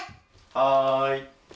はい。